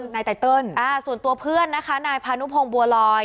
นายไตเติลส่วนตัวเพื่อนนะคะนายพานุพงศ์บัวลอย